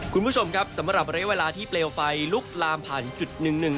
คุณผู้ชมครับสำหรับระยะเวลาที่เปลวไฟลุกลามผ่านจุดหนึ่งหนึ่ง